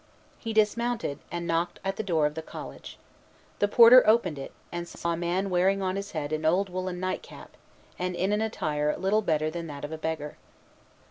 He dismounted, and knocked at the door of the college. The porter opened it, and saw a man wearing on his head an old woollen nightcap, and in an attire little better than that of a beggar.